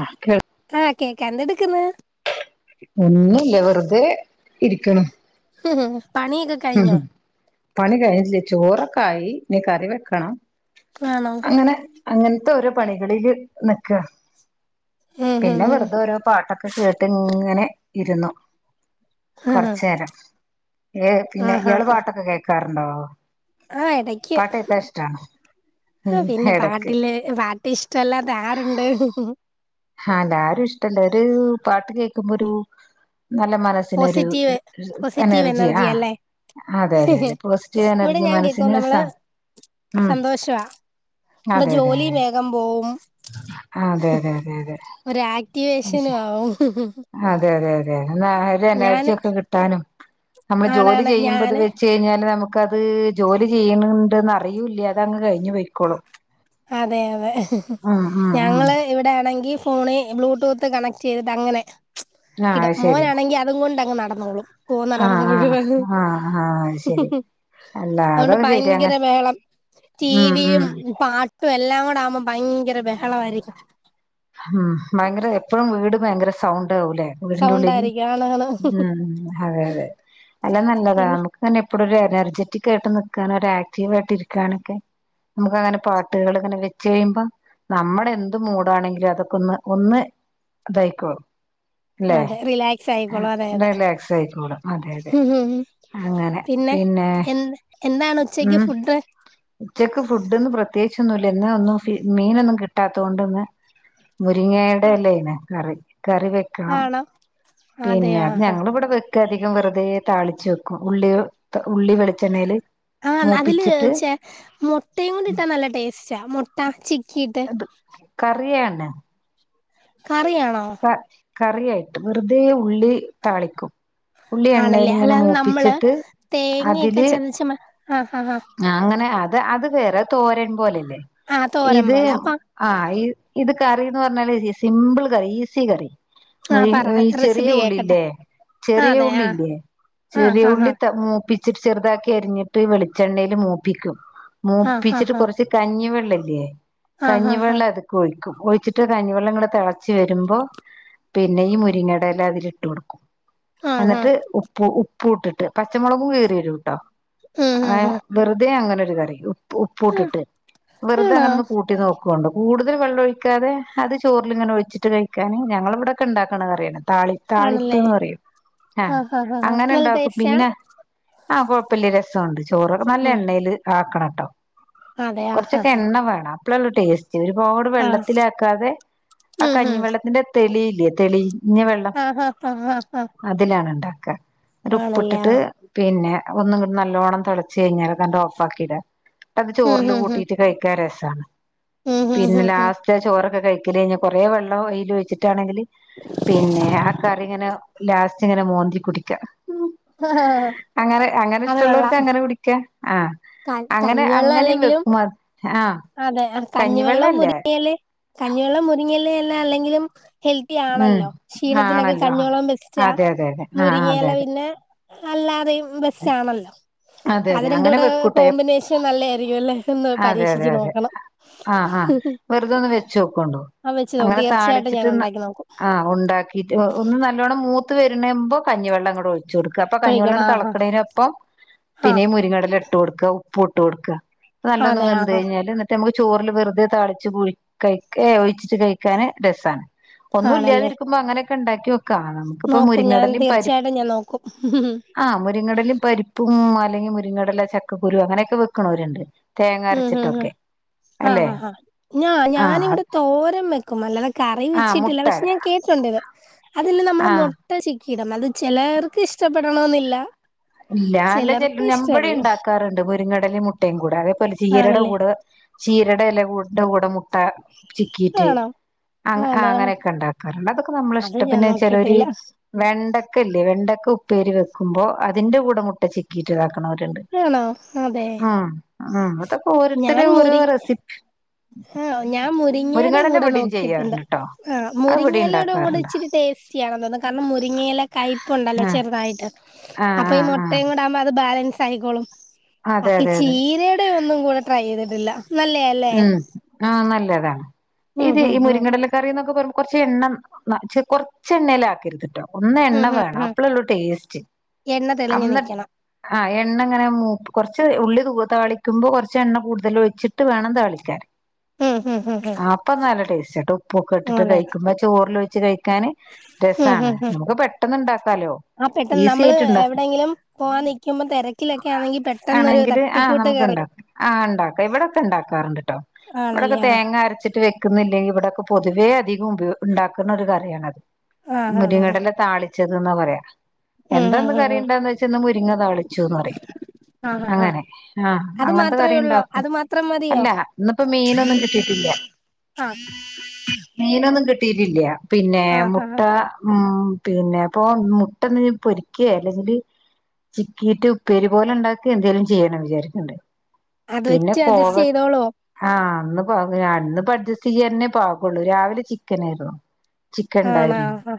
ആ കേ ആഹ കേക്ക എന്തെടുക്കന്ന് ഒന്നുംില്ല വെറുതെ ഇരിക്കണം ഉ ഉം പണി കഴിഞ്ഞില്ലേ ചോറൊക്കെ ആയി നീ കറി വെക്കണം ആണോ അങ്ങനെ അങ്ങനത്തെ ഓരോ പണികളില് നിക്ക ഉം ഹും പിന്നെ ഹും വെറുതെ ഓരോ പാട്ടൊക്കെ കേട്ട് ഇങ്ങനെ ഇരുന്നു ആഹ് കുറച്ചുനരം ഏ പിന്നെ ഇള് പാട്ടൊക്കെ കേൾക്കാറുണ്ടോ ആഹ ഇടക്ക് ആ ഉം പിന്നെ എടക്ക് പാട്ടില് പാട്ട് ഇഷ്ടമല്ലാ ആരുണ്ട് ആഹല്ല ആരും ഇഷ്ടല്ല ഒരു പാട്ട് കേൾക്കുമ്പോ ഒരു നല്ല മനസ്സിനൊരു പോസിറ്റീവ് പോസിറ്റീവ് എനർജിയ എനർജി ആ അല്ലേ അതെ അതെ അതെ പോസിറ്റീവ് ഇവിടെ എനർജി ഞാൻ കേക്കും നമ്മള് മനസ്സിന്സാണ് സന്തോഷവാ ഇവിടെ അതെ അതെ ജോലി അതെ വേഗം പോവും അതെ അതെ അതെ അതെ ഒരു ആക്ടിവേഷനും ആവും അതെ അതെ അതെ ആ ഒരു ഞാന് എനർജിയ ഒക്കെ കിട്ടാനും നമ്മള് ജോലി ആണാണ് ചെയ്യുമ്പത് ഞാന് വെച്ച് കഴിഞ്ഞാല് നമുക്ക് നമക്കത് ജോലി ചെയ്യണണ്ടന്ന് അറിയൂല്ല അത അങ്ങ് കഴിഞ്ഞഞ് പോയിക്കോളു അതെ അതെ ഉം ഞങ്ങള് ഇവിടെ ആണെങ്കിൽ ഫോണ് ബ്ലൂടൂത്ത് കണക്ട് ചെയ്തിട്ട് അങ്ങനെ ആ ഇടും അത് ശരി മോനാണെങ്കിൽ അതും കൊണ്ടങ്ങ് നടത്തും ആ പോന്നടം ആ മുഴുവന്ന് ആ ആ അത് ശരി അല്ല അതുകൊണ്ട് അതൊക്കെ ശരി ഭയങ്കര അങ്ങനെ വേളം ഉം ഉം ടിവിയും പാ ഇപ്പ എല്ലാം കൂടെ ആവ്പോ ഭയങ്കര ബഹളമായിയിരിക്കും ഉം ഭയങ്കര എപ്പഴും വീട് ഭയങ്കര സൗണ്ട് ആാവലേ വീടിന്റെറെ സൗണ്ട് ഉള്ളില് ആയിരിക്കും ആണാണ് ഉം അതെ അതെ അല്ല നല്ലതാണ് പിന്നെ നമുക്ക്ങ്ങനെ എപ്പോഴ ഒരു എനർജെറ്റിക് ആയിട്ട് നിക്കാൻ ആക്റ്റീവ് ആയിട്ട് ഇരിക്കാനൊക്കെ നമുക്ക് അങ്ങനെ പാട്ടുകൾ ഇങ്ങനെ വെച്ച് കഴിയുമ്പോ നമ്മുടെ എന്ത് മൂടാണെങ്കിലും അതൊക്കൊന്ന് ഒന്ന് ഇതയക്കോ അല്ലെ അതെ റിലാക്സ് ആ ആയിക്കോളും അതെ അതെ റിലാക്സ് ആയിക്കോളും അതെ അതെ അങ്ങനെ പിന്നെ പിന്നെ എ എന്താണ് ഉച്ചക്ക് ഉം ഫുഡ് ഉച്ചക്ക് ഫുഡ്ന്ന് പ്രത്യേകി ഒന്ന ഇ ഒന്നും മീനൊന്നും കിട്ടാത്തത് കൊണ്ട്ന്ന് മുരിങ്ങയുടെ അല്ല ല്ലേ കറി കറി വെക്കണം ആണോ പിന്നെ അതെയോ അത് ആഹ് ഞങ്ങിവിടെ വെ അധികം വെറുതെ താളിച്ചു വെക്കും ഉള്ളി ഉള്ളി വെളിച്ചെണ്ണയിൽ ആഹ അതില്ച്ചേ മുട്ടയുംകൂടി ഇട്ടാൻ നല്ല ടേസ്റ്റാ മുട്ട ചിക്കിട്ട് അത് കറിയാണ്. കറിയാണോ? ക കറിയായിട്ട് വെറുതെ ഉള്ളി താളിക്കും ഉള്ളി എണ്ണൽ ആണല്ലേ ഇങ്ങനെ അല്ലാതെ നമ്മള് മൂപ്പിച്ചിട്ട് തേങ്ങയൊക്കെ അതില് ചതച്ച് മ ആഹ് ആഹ് ആഹ് അങ്ങനെ - അത് വേറെ തോരൻ പോലല്ലേ ആഹ് തോരൻ ഇത് പോലെ അപ്പൊ ആ ഇത് - - കറി എന്ന് പറഞ്ഞാല് സിമ്പിൾ കറി ഈസി കറി ആഹ് പറ ചെറിയ റെസിപ്പി കേക്കട്ടെ ഉള്ളില്ലേ ചെറിയ അതെ ആഹ് ഉള്ളില്ലേ? ചെറിയ ആഹ് ഉള്ളി ആഹ് മൂപ്പിച്ചിട്ട് ചെറുതാക്കി അരിഞ്ഞിട്ട് വെളിച്ചെണ്ണൽ മൂപ്പിക്കും. ആഹ് ഹാ മൂപ്പിച്ചിട്ട് ഹാ കൊറച്ച് കഞ്ഞിവെള്ളല്ലേ ആഹ് ഹാ ഹാ കഞ്ഞിവെള്ളം അതക്കഴിക്കും. ഒഴിച്ചിട്ട് കഞ്ഞിവെള്ളംങ്ങടെ തിളച്ച വരുമ്പോ പിന്നെ ഈ മുരിങ്ങ ടെ എല അതിൽ ഇട്ട് കൊടുക്കും ആഹ് ഹാ എന്നിട്ട് ഉപ്പ് ഉ് ഇട്ടിട്ട് പച്ചമുളകും കയറിരുംട്ടോ ഉം അെ ഉം ഉം വെറുതെ അങ്ങനൊ ഒരു കറിയ ഉപ്പൂട്ടിട്ട് വെറുതെ ആണോ അങ്ങനെ ഒന്ന് കൂട്ടി നോക്കണ്ട് കൂടുതൽ വെള്ളമൊഴിക്കാതെ അത് ചോ ഇങ്ങനെിച്ചിട്ട കഴിക്കാാന്ഞങ്ങള ഇവിയൊക്കെണ്ടാക്കണ കറിണത് - - താളിപ്പ് ആണല്ലേ താളിപ്പ്ന്ന് പറയും ആഹ ആഹ് ഹാ ഹാ ഹാ അങ്ങനെ നല്ല ഉണ്ടാക്കും ടേസ്റ്റാ പിന്നെ ആഹ് കുഴപ്പമില്ല രസമുണ്ട് ചോറ് നല്ല ഉം എണ്ണേല്ആക്കണംട്ടോ. അതെ ആഹ് ഹാ കൊറച്ചൊക്കെ ഹാ എണ്ണ വേണം അപ്പളെള്ള ടേസ്റ്റ് ഒരുപാട് ആഹ് വെള്ളത്തില ആാക്കാതെ ആ ഉം ഹും കഞ്ഞിവെള്ളത്തിന്റെ തെളിയില്ലയേ തെളിഞ്ഞ വെള്ളം ആഹ് ഹാ ഹാ ഹാ ഹാ അതിലാണ് ഉണ്ട ക്കെ ആണല്ലേ ഉപ്പിട്ടിട്ട് ആഹ് പിന്നെ ഒന്നും കിട്ട നല്ലോണ്ണം തിളച്ച്ച് കഴിഞ്ഞാല് തന്റെ ഓഫ്ക്കിടാ അത് ഉം ചോറിൽ ഹും ഹും കൂട്ടിട്ട് കഴിക്കാ രസാണ് ഉം ഹും പിന്നെ ഹും ഹും ലാസ്റ്റ് ചോറൊക്കെ കഴിക്കല് കഴിഞ്ഞ കുറേ വെള്ളം വൽ ഒഴിച്ചിട്ടാണെങ്കിൽ പിന്നെ ആ കറിങ്ങനെ ലാസ്റ്റ് ങ്ങനെ മോന്തി കുടിക്കാ ച ഹ ഹാ ആ അങ്ങനെ ഇഷ്ടമുള്ളവർക്ക് അങ്ങനെ കുടിക്കാ ആഹ ക അങ്ങനെ കഞ്ഞിവെള്ളം അങ്ങനെ അല്ലെങ്കിലും വെക്കും അത് അ അതെ കഞ്ഞിവെള്ളം മുരിങ്ങല് കഞ്ഞിവെള്ളം മുരിങ്ങല് എല്ലാം അല്ലെങ്കിലും ഹെൽത്തി ഉം ആണല്ലോ ക്ഷീണത്തിനൊക്കെ ആണല്ലോ ആഹ് കഞ്ഞോളം ബെസ്റ്റാ അതെ അതെ അതെ ആഹ് അതെ മുരിങ്ങല അതെ പിന്നെ - അല്ലാതെയു. ബെസ്റ്റ് ആണല്ലോ അതെ അ അത് അതെ രണ്ട അങ്ങനെ കൂടെ വെക്കൂട്ടെ കോമ്പിനേഷൻ നല്ലതായിരിക്കുംല്ലേ അതെ പരീക്ഷ അതെ അതെ ആഹ് ആഹ് വെറുത ഒന്ന് വെച്ച നോക്കണ്ടു ആ വെച്ച് നോക്കും അങ്ങനെ തീർച്ചയായിട്ടും ഞാൻ താളിച്ചിട്ട് ഉണ്ടാക്കി നോക്കും ആഹ ഉണ്ടാക്കിട്ട് ഒന്ന് നല്ലോണ്ണം മൂ വരുബേകഞ്ഞിവെള്ളങ്ങട് ഒഴിച്ചു കൊട്ക്ക അപ്പ കഞ്ഞിവെള്ള ഒഴിക്കണം അ ആഹാ കക്കടേനൊപ്പം ആ പിന്നേ മുരിങ്ങടല ഇട്ട് കൊടുക്ക ഉപ്പ ഇട്ട് കൊടുക്ക നല്ലൊന്നും അതെ വന്ത് ആഹാ കഴിഞ്ഞല് എന്നിട്ട് നമുക്ക് ചോറിൽ വെറുതെ താളിച്ച് ക ഒഴിച്ചിട്ട് കഴിക്കാന് രസാണ്. ഒന്നും ഇല്ലാതി ആണല്ലേ ഇരിക്കുമ്പോ അങ്ങനെൊക്കെണ്ടാക്കി നോക് നമുക്കിപ്പോ നോക്കും ഞാൻ മുരിങ്ങടലും തീർച്ചയായിട്ടും ഞാൻ നോക്കും പരിആ മുരിങ്ങടലും പരിപ്പും അല്ലെങ്കിൽ മുരിങ്ങടല ചക്കുരു അങ്ങനെയൊക്കെ വെകണോര്‌ണ്ട് ഉം ഹ ആ് ഹ ഞാ ആ ഞാനിവിടെ തോരം വെ ക്കും അല്ലാതെ കറി ആ വെച്ചിട്ടില്ല മുട്ട പക്ഷെ ഞാൻ കേട്ടുണ്ട് ഇത് അതിെ നമ്മള് ആ മുട്ട ഇട അത് ചെലർക്ക് ഇഷ്ടപ്പെടണമെന്നില്ല. ഇല്ല നല്ല ചെ ഞമ്മുടെ ഉണ്ടാക്കാറുണ്ട് മുരുങ്ങടലും മുട്ടയും കൂടെ അത ല ചീരയുടെ ആണല്ലേ കൂടെ ചീരയുടെ എല്ല കൂടിന്റെ കൂടെ മുട്ട ചിക്കിയിട്ട് ആണോ അ ആണോ അങ്ങനെയൊക്കെ ഉണ്ടാക്കാറുണ്ട് അതൊക്കെ അത് നമ്മളിഷ്ടം ഞാൻ പിന്നെ ചെലര് നോക്കിയിട്ടില്ല വെണ്ടക്കല്ലേ വെണ്ടക്ക ഉപ്പേരി വെക്കുമ്പോ അതിന്റെ കൂടെ മുട്ട ചക്കീട്ട്താക്ക ണ്ട് ആണോ അതെ മ് മ് അതപ്പോ ഓരോരുത്തരു ഞാൻ ഓരോ മുരി റെസിപ്പി ആഹ് ഞാൻ മുരിങ്ങയുടെ മുരിങ്ങാടല കൂടെ ഇവിടെയും നോക്കിയിട്ടുണ്ട്. ചെയ്യാറുണ്ട് ട്ടോ ആഹ അത് ഇവിടെ മുരിങ്ങയിലോടെ കൂടെ ഉണ്ടാക്കാറുണ്ട് ഇച്ചിരി ടേസ്റ്റിയാണ തോന്നുന്നത് കാരണം മുരിങ്ങയില കയപ്പ ഉണ്ടല്ലോ ആഹ് ചെറുതായിട്ട്. ആഹ് അപ്പൊ ഈ ആഹ് ആഹ് മുട്ടയും കൂടെ ആകുമ്പോ അത് ബാലൻസ് ആയിക്കോളും. അതെ ഈ അതെ അതെ ചീരടെ ഒന്നും കൂടെ ട്രൈ ചെയ്തിട്ടില്ല. നല്ലെ ആല്ലേ? ഉം ആഹ് നല്ലതാണ്. ഇത് ഈ ഉം മുരിങ്ങടലക്കറിന്നൊ കുറച്ച് എണ്ണം, കൊറച്ച എണ്ണയിൽ ആക്കരുത്ട്ടോ? ഒന്ന് ഉം എണ്ണ ഉം വേണം ഉം അപ്പളൊള്ളൂ ടേസ്റ്റ്. എണ്ണ തെളിഞ്ഞു അന്ന്‌ട്ട് നിക്കണം ആ എണ്ണങ്ങനെ മൂപ്പ് കൊറച്ച് ഉള്ളി തുവ താളിക്കുമ്പോ, കൊറച്ചെണ്ണ കൂടുതൽ ഒഴിച്ചിട്ട് വേണം താളിക്കാന് ഉം ഉം ഉം അപ്പൊ നല്ല ടേസ്റ്റ് ആട്ടോ. ഉപ്പൊക്കെ ഉം ഇട്ടിട്ട് അതെ കഴിക്കുമ്പോ ചോറി ലൊഴിച്ച് കഴി ക്കാന് ഉം രസാണ്. ഉം ഉം നമുക്ക് പെട്ടന്ന് ണ്ടാക്കാലോ? ഈസി ആയിട്ട്ണ്ട എവിടെങ്കിലും പോവാൻ നിക്കുമ്പോ, തെ രക്കിലൊക്കെ ആന്നെങ്കി പെട്ടന്നൊരു ആണെങ്കില് തട്ടിക്കൂട്ട് കറി. ഇവിടെക്കെണ്ടാക്കാറ്ണ്ട് ട്ടോ, ഇവിടൊക്കെ ആഹ് തേങ്ങ അരച്ചിട്ട് വെ ക്കുന്നില്ലെങ്കി, ഇവിടൊക്കെ പൊതുവേ അധികം ണ്ടാക്കുന്ന ഒരു കറിയണത് ആഹ് ആഹ് ആഹ് മുരിങ്ങടല താളി ച്ചത് ന്നാ പറയാ. ഉം ഉം എന്താന്ന് ഉം കറി ഉം എന്താന്ന്‌ ച്ചാ മുരിങ്ങ തളിച്ചൂന്ന് പറയും. ആഹ് ആഹ് അങ്ങനെ ആഹ അത് അങ്ങനത്തെ മാത്രേ ഉള്ളോ കറിണ്ടാക്കും. അത് മാത്രം മതിയോ അല്ല ഇന്ന്പ്പോ മീനൊന്നും കിട്ടി ഇല്ല. ആഹ് മീനൊന്നും കിട്ടീട്ടില്ല. പിന്നെ ആഹ് മുട്ട ആഹ് ഉം പിന്നെ പ്പൊ മുട്ടൊന്നു പൊരിക്കെ അല്ലെങ്കില് ചിക്കിട്ട് ഉപ്പേരി പോലെ ണ്ടാക്കെ എന്തെലും ചെയ്യണം വിചാരിക്ണ്ട്‌. അത് പിന്നെ വെച്ച് കോവ അഡ്ജസ്റ്റ് ചെയ്തോളോ ആഹ ന്ന്പോന്ന് അഡ്ജസ്റ്റ് ചെയ്യന്നെ പ്പൊ ആ കൊള്ളു. രാവിലെ ചിക്കനേർന്നു. ചിക്കൻ ആണോ ണ്ടായിരുന്നു. ആഹ്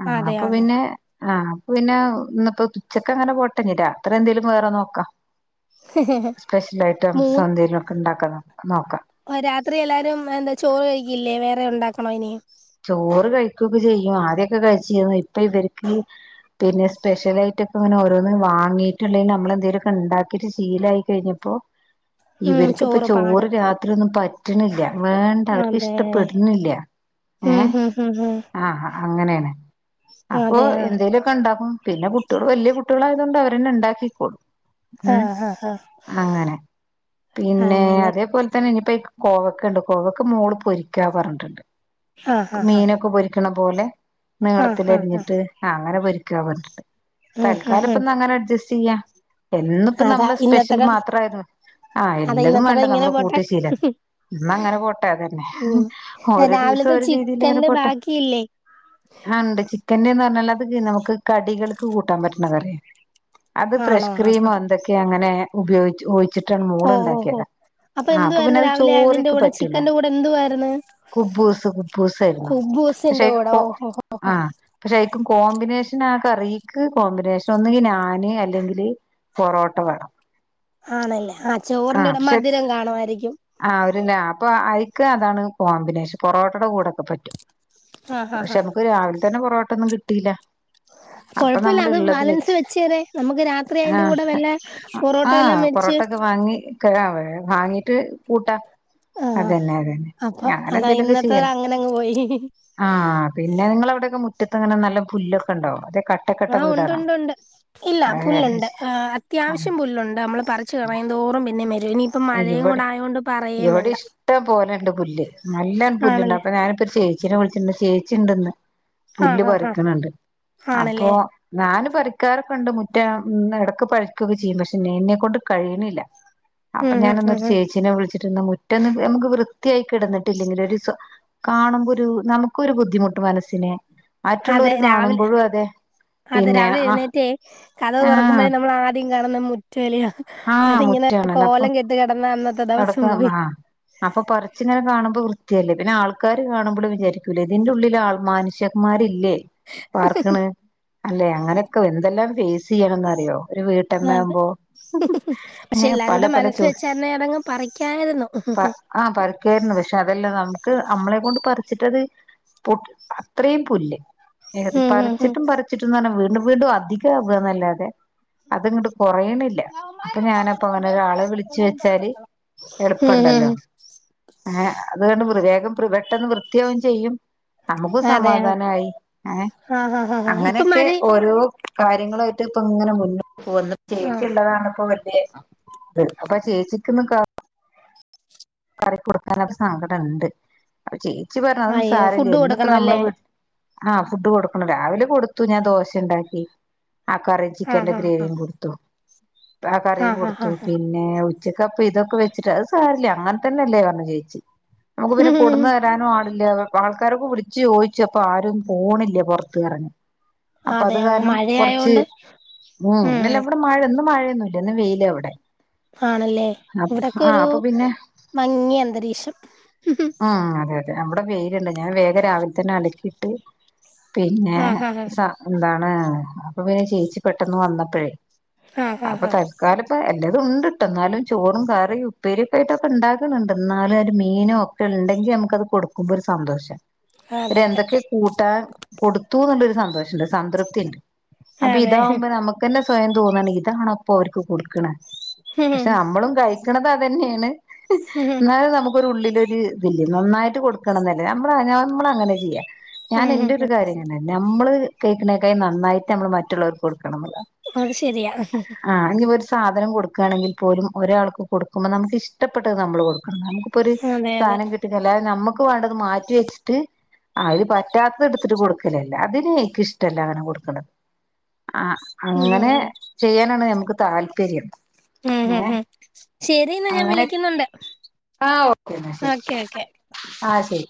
ആ അതെ അപ്പൊ ആഹ് പിന്നെ ആഹ് അപ്പ പിന്നെ ഇന്ന് പ്പോച്ചക്കെ അങ്ങനെ പോട്ടെ ഞ്ഞി രാത്രി എന്തേലും വേറെ നോക്കാ. സ്പെഷ്യൽ ഐറ്റം, മൂ സൗന്ദര്യക്കെ ഉണ്ടാക്കാ നോക്കാ. രാത്രി എല്ലാരും എന്താ ചോറ് കഴിക്കില്ലേ? വേറെ ഉണ്ടാക്കണോ ഇനി? ചോറ് കഴിക്കൊക്കെ ചെയ്യും. ആദ്യക്കെ കഴിച്ചിന്നു. ഇപ്പൊ ഇവർക്ക് പിന്നെ സ്പെഷ്യലായിട്ട് റ്റ് പ്പൊ ഓരോന്ന് ങ്ങനെ വാങ്ങീട്ടും, ല്ലെങ്കിനമ്മൾ എന്തെലൊക്കെ ണ്ടാക്കിട്ട് സീലായി കഴിഞ്ഞപ്പോ ഉം ഇവര്ക്കിപ്പ പാട് ചോറ് രാത്രി ഒന്നും പറ്റണില്ല വേണ്ട അവർക്ക് ഇഷ്ടപ്പെടുന്നില്ല. ഹും, ഏ ഹും, ഹും. ആഹ് അങ്ങനെയാണ്. അപ്പൊ എന്തേലൊ ക്കെ ണ്ടാക്കും. പിന്നെ കുട്ടിയെള്, വല്ലിയെ കുട്ടിയേളാ യതുകൊണ്ട് അവരന്നെ ണ്ടാക്കിക്കോളും. ഉം. ആഹ് ആഹ് ആഹ് അങ്ങനെ പിന്നെ അങ്ങനെ അതേപോലെ തന്നെ നിപ്പ കോവക്കണ്ട് കോവക്ക മോള് പൊരിക്കാ പറഞ്ഞിട്ടുണ്ട്. ആഹ് ആഹ് മീനൊക്കെ പൊരിക്കണ പോലെ ആഹ് ആഹ് ആഹ് ആഹ് നീളത്തിലര്ഞ്ഞിട്ട്, അങ്ങനെ പൊരിക്കാ പറഞ്ഞിട്ട്ണ്ട് ഉം ഉം തൽക്കാല ഉം പ്പന്നങ്ങനെ അഡ്ജസ്റ്റ് യ്യാ. എന്നുപ്പ അതാ നമ്മള് സ്പെഷ്യൽ ഇന്നത്തടം മാത്ര ആയ ത് ആഹ് അതാ എല്ലതും ഇന്നത്തടം വേണ്ട ഇങ്ങനെ നമ്മള് പോട്ടെ കൂട്ടി ശീലം. ഇന്ന ങ്ങനെ പോട്ടെ അതെന്നെ ഉം ഓരോ ദിസം ത രാവിലത്തെ ഒരു രീതിലങ്ങനെ ചിക്കന്റെ പൊട്ടെ ബാക്കിയില്ലേ ആ ണ്ട് ചിക്കൻന്റെറെന്നർഞ്ഞാൽ അത് ടി നമ്ക്ക് കടികൾക്ക് ക് ക്കൂട്ടാൻ പറ്റണ കറിയ. അത് ഫ്രഷ് ആണോ ആഹ് ക്രീമോ ന്തൊക്കെ അങ്ങനെ ഉപയോഗിച്ച് ഒയ് ച്ചിട്ടാണ് ഓ മോള് ഓ ഓ ണ്ടാക്കിയത ആഹ് അപ്പൊ എന്തുവായിരുന്നു പിന്നവ് രാവിലെ അതിന്റെ ചോറിക്ക് കൂടെ പറ്റൂല ചിക്കന്റെ കൂടെ എന്തുവായിരുന്നു കുബ്ബൂസ് കുബ്ബൂസേര്ന്നു. പക്ഷെ കുബൂസിന്റെ അയ്ക്ക് കൂടെ കൊ ഓ ഓ അ പക്ഷെ കോമ്പിനേഷൻ ആകറീക്ക് കോമ്പിനേഷൻ ഒന്നങ്കി നാന് അല്ലെങ്കില്. പൊറോട്ട വേണം. ആണല്ലേ? ആ ചോറിന്റെ ആഹ. കൂടെ പക്ഷെ, മധുരം കാണുമായിരിക്കും ആ അവര്ന്ന്‌ അപ്പൊ ആ ക്ക താണ് കോമ്പിനേഷൻ പൊറോട്ടടെ കൂടെക്കെ പറ്റും. ആഹ് ആഹ് പക്ഷെ ആഹ് മക്ക് രാവിൽതന്നെ പൊറോട്ടൊന്നും കിട്ടില്ല. [inaudible] കുഴപ്പില്ല അത് ബാലൻസ് വെച്ചേരെ, നമുക്ക് രാത്രി അതിന്റെ ആഹ് കൂടെ വല്ല പൊറോട്ട ആഹ് വല്ലോം മേട്ച്ച്. പൊറോട്ടൊക്കെ വാങ്ങി ക വാങ്ങിട്ട് കൂട്ടാ. ആഹ് അതന്നെ, അതന്നെ അപ്പൊ അങ്ങനെ അതാ എന്തേലൊക്കെ ഇന്നത്തെ ചെയ്യണം. അങ്ങനങ്ങ് പോയി ആഹ പിന്നെ നി ങ്ങളവിടെക്കെ മുറ്റത്ത്ങ്ങനെ നല്ല പുല്ലൊക്കെ ണ്ടോ? ആഹ് ഉണ്ട് ഉണ്ട് ഉണ്ട് ഇല്ല ഏഹ് പുല്ലുണ്ട്അ ആ അത്യാവശ്യം പുല്ലുണ്ട് നമ്മൾ പറിച്ചു കളയുന്തോറും ഇവിടെ പറയേം ഇവിടെ വേണ്ട ഇഷ്ട പോലെണ്ട് പുല്ല് ആണല്ലേ നല്ലപുല്ല്ണ്ട് ഞാനെപ്പോ ചേച്ചിനെവിളിച്ചിട്ടണ്ട് ചേച്ചിണ്ട്ന്ന് പുല്ല് ആഹ് ആഹ് ആഹ് പറിക്കണണ്ട് അപ്പൊ ആണല്ലേ ഞാന് പറി പണിക്കാരൊക്കെണ്ട് മുറ്റം ഇടക്ക് പറിക്കുകൊക്കെ ചെയ്യും പക്ഷെ എന്നെക്കകൊണ്ട് കഴിയിണില്ല അപ്പൊ ഉം ഉം ഞാനിന്നൊ ഉം രു ഉം ചേച്ചീനെ വിളിച്ചിട്ട് മുറ്റൊന്ന് നമുക്ക് വൃത്തിയായി കിടന്നി ട്ടില്ലെങ്കിൽ ഒരു സു കാണുമ്പോ ഒരു നമുക്കൊരു ബുദ്ധിമുട്ടു മനസ്സിനെ മറ്റുള്ളവര് കാണുമ്പോഴും അതെ അത് പിന്നെ രാവിലെ ആ എഴുന്നേറ്റേ കഥക് ആ തുറക്കുമ്പോഴേ നമ്മൾ ആദ്യം കാണുന്ന മുറ്റലിയ ആ അതിങ്ങനെ കോലം കെട്ട്കിടന്നഅന്നത്ത കിടക്ക ആഹ് അപ്പൊ പറിച്ചിങ്ങനെ കാണുമ്പോ വൃത്തി കൃത്യല്ലേ പിന്നെ ആൾക്കാര് കാണുമ്പോഴും വിചാരിക്കൂലേ ഇതിന്റെ ഉള്ളിൽ ആ മനുഷ്യന്മാരില്ലേ പാർക്ക്ണ് അല്ലെ അങ്ങനെയൊക്കെ എന്തെല്ലാം ഫേസ് ചെയ്യണം അറിയോ ഒരു വീട്ടമ്മ അതെ ആവുമ്പോ പക്ഷെ ഏ പല എല്ലാരൂടെ പല മനസ്സ് ചോ വെച്ചായിരുന്നെ അതങ്ങ് പറിക്കായിരുന്നു ആഹ പരുക്കായിരുന്നു പക്ഷെ അതെല്ലാം നമുക്ക് നമ്മളെ കൊണ്ട് പറിച്ചിട്ടത് പു അത്രയും പുല്ല് ഉം ഉം ഉം പറിച്ചിട്ടും പറിച്ചിട്ടുംന്ന് പറഞ്ഞാ വീണ്ടും വീണ്ടും അധിക ആവുകന്നല്ലാതെ അതങ്ങട്ട് കൊറയണില്ല അപ്പൊ ഞാനപ്പോ അങ്ങനെ ഒരാളെ വിളിച്ചു വെച്ചാല് ഉം ഉം എളുപ്പണ്ടല്ലോഏ അത്കണ്ട് മൃതകം പെട്ടെന്ന് വൃത്തിയാവെയും ചെയ്യും നമുക്കും അതെ ആ സമാധാനയി ഏഹ ആഹ് ആഹ് ആഹ് ഇപ്പൊ അങ്ങനെയൊക്കെ മഴ ഓരോ കാര്യങ്ങളായിട്ട് ഇപ്പ ഇങ്ങനെ മുന്നോ ഒന്നു ആ ചേച്ചിള്ളതാണ് ഇപ്പോ വലിയഇത് ഇന്ന് അപ്പൊ ചേച്ചി കറി കൊടുക്കാനരു സങ്കടം ഉണ്ട് അ ചെയ്യ് ഉമ്മച്ചി പറഞ്ഞ അതൊന്നും അയ്യോ സാരല്ലേ ഫുഡ് ഇന്നും കൊടുക്കണം ഇപ്പൊനമ്മളെ അല്ലേ വീട്ടി ആഹ് ഫുഡ് കൊടുക്കണം രാവിലെ കൊടുത്തു ഞാൻ ദോശണ്ടാക്കി ആ കറി ചിക്കന്റെ ആഹ് ആഹ് ഗ്രേവിയും കൊടുത്തു ആ കറിയും ആഹ് ആഹ് കൊടുത്തു ആഹ് പിന്നെ ഉച്ചകപ്പ് ഇതൊക്കെ വെച്ചിട്ട് അത് സാരില്ല അങ്ങനെ തന്നെ അല്ലേ പറഞ്ഞു ചേച്ചി നമുക്ക് പിന്നെ ഉം കൊടുന്ന് തരാനും ആളില്ല ആൾക്കാരൊക്കെ വിളിച്ചു ചോദിച്ചു അപ്പൊ ആരും പോണില്ലാ പുറത്ത് കറങ്ങാൻ അപ്പൊ അതെ അത് ആ കാരണം കുറച്ച് മഴയായോണ്ട് ഉം ഇല്ല അവിടെ മഴ ഇന്ന് മഴ ഇന്ന് വെയിലാ ഇവിടെ ആണല്ലേ ഇവിടൊക്കെ ആ ഒരു അപ്പൊ പിന്നെ മങ്ങിയ അന്തരീക്ഷം നമ്മടെ വെയിലണ്ട് ഞാൻ വേഗം രാവിലെ തന്നെ അലക്കിയിട്ട് സാ പിന്നെ ആഹ് ആഹ് സർ എന്താണ് അപ്പൊ പിന്നെ ചേച്ചി പെട്ടെന്ന് വന്നപ്പോഴേ ആഹ് അപ്പൊ ആഹ് ആഹ് തൽക്കാല എല്ലതും ഉണ്ട്ട്ടൊ എന്നാലും ചോറും കറിഉപ്പേരി ഏട്ടൊക്കെ ഇണ്ടാക്ണ് ണ്ട് എന്നാലും ഒരു മീനും ഒക്കെ ഉണ്ടെങ്കിൽ നമുക്കത് കൊടുക്കുമ്പോ ഒരു സന്തോഷാ ഒരു അതെ അതെ എന്തൊക്കെ കൂട്ടാൻ കൊടുത്തൂന്ന് ഇള്ള സന്തോഷണ്ട് സംതൃപ്തി ഉണ്ട് അപ്പൊ അതെ ഇതാവുമ്പോ നമുക്ക്ന്നെ സ്വയം തോന്നാണ് ഇതാണോ അപ്പൊ അവർക്ക് കൊടുകണ് പക്ഷെ ഉം നമ്മളും കഴിക്കണുന്നത് അത് തന്നെണ് എന്നാലും നമുക്കൊരു ഉള്ളില്ഒരു ഇത് നന്നായിട്ട് കൊടുക്കണംഎന്നനെ നമ്മളങ്ങനെ ചെയ്യാം ഞാൻ എന്റെറ ഒരു കാര്യം നമ്മൾ കേഴി ക്കുന്നേക്കാ നന്നായിട്ട് നമ്മളൾ മറ്റുള്ളവർക്ക് കൊടുക്കും അത് ശരിയാ ആ സാധനം കൊടുക്കുകയാണെങ്കിൽ പോലും ഒരാൾക്ക് കൊടുക്കുമ്പോ നമുക്ക്ഇഷ്ട്ടപ്പെട്ടത് നമ്മൾകൊടു നമുക്കിപ്പൊ ഒരു അതെ അതെ സാനം കിട്ടി അല്ലാതെ നമ്മക്ക് വേണ്ടത് മാറ്റി വെച്ചിട്ട് അര് പറ്റാത്തത് എടുത്തിട്ട് കൊടുക്കലല്ലേ അതിന് എനിക്ക് ഇഷ്ടല്ല അങ്ങനെ കൊടുക്കണത് ആ ഉം അങ്ങനെ ഉം ഉം ചെയ്യാനാണ് നമുക്ക് താൽല്പര്യം ഉം ഹ ഉ ശരിന്ന് ഞാൻ വിളിക്കുന്നുണ്ട് ആഹ ഓക്കേ എന്നാ ശരി ഓക്കെ ഓക്കെ ആഹ ശരി